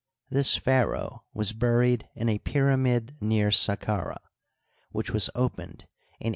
This pharaoh was buried in a pyramid near Saqqarah, which was opened in 1881.